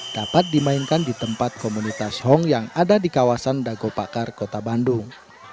dapat dimainkan di tempat komunitas hong yang ada di kawasan dagopakar kota bandung